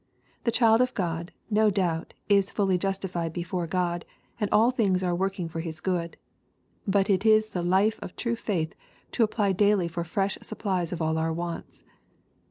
The child of God, no doubt, is fully justified before God, and all things are working for his good. But it is the life of true faith to apply daily for fresh supplies of all our wants.